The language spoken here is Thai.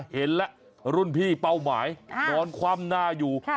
เห็นแล้วรุ่นพี่เป้าหมายนอนคว่ำหน้าอยู่